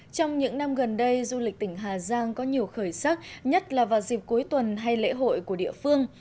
trong những năm gần đây du lịch tỉnh hà giang có nhiều khởi sắc nhất là vào dịp cuối tuần hay lễ hội của địa phương